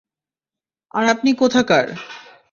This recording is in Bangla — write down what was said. আর আপনি কোথাকার?